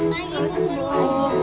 selamat pagi bu